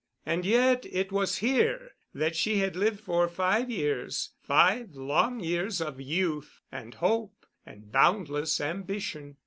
And yet it was here that she had lived for five years—five long years of youth and hope and boundless ambition.